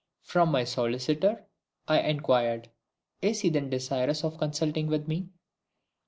"From my solicitor?" I inquired. "Is he then desirous of consulting with me?"